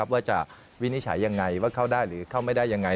ว่าจะวินิจฉัยยังไงว่าเข้าได้หรือเข้าไม่ได้ยังไง